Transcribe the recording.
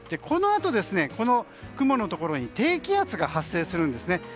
このあと雲のところに低気圧が発生するんですね。